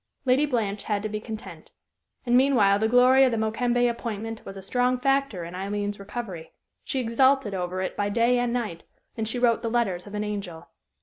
Lady Blanche had to be content. And meanwhile the glory of the Mokembe appointment was a strong factor in Aileen's recovery. She exulted over it by day and night, and she wrote the letters of an angel.